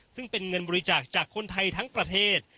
ซึ่งเป็นเงินบริจาคจากคนไทยทั้งประเทศ